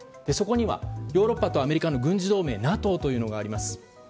そこには、ヨーロッパとアメリカの軍事同盟ＮＡＴＯというのがあります。